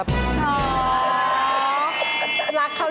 ตื่นขึ้นมาอีกทีตอน๑๐โมงเช้า